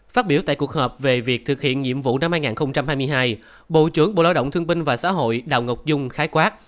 phát biểu tại cuộc họp về việc thực hiện nhiệm vụ năm hai nghìn hai mươi hai bộ trưởng bộ lao động thương binh và xã hội đào ngọc dung khái quát